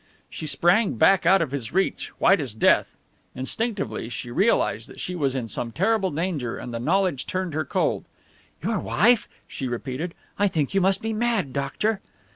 She sprang back out of his reach, white as death. Instinctively she realized that she was in some terrible danger, and the knowledge turned her cold. "Your wife?" she repeated. "I think you must be mad, doctor."